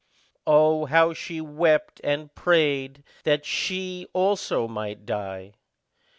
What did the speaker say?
Oh, how she wept and prayed that she also might die!